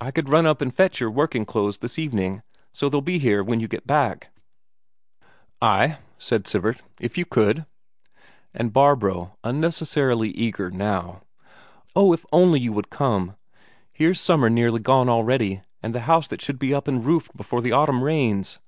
"I could run up and fetch your working clothes this evening, so they'll be here when you get back." "Ay," said Sivert, "if you could." And Barbro unnecessarily eager now: "Oh, if only you would come! Here's summer nearly gone already, and the house that should be up and roofed before the autumn rains.